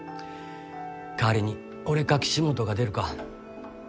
代わりに俺か岸本が出るか。